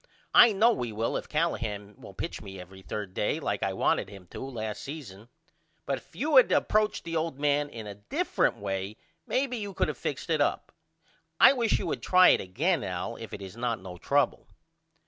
I know we will if Callahan will pitch me every 3d day like I wanted him to last season. But if you had of approached the old man in a different way maybe you could of fixed it up. I wish you would try it again Al if it is not no trouble.